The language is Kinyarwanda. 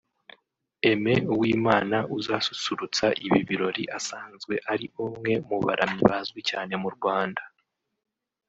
Aimé Uwimana uzasusurutsa ibi birori asanzwe ari umwe mu baramyi bazwi cyane mu Rwanda